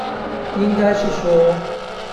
應該是說